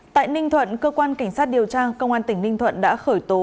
tại ninh thuận cơ quan cảnh sát điều tra công an tỉnh ninh thuận đã khởi tố